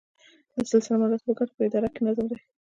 د سلسله مراتبو ګټه په اداره کې نظم دی.